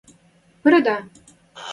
Пырыда!